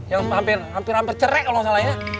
yang hampir hampir hampir cerek kalau gak salahnya